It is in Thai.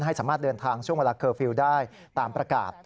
ให้สามารถเดินทางช่วงเวลาเคอร์ฟิลล์ได้ตามประกาศ